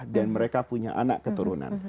dan mereka punya anak keturunan